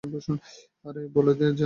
আরে বলে দে আমি বের হয়ে গেছি।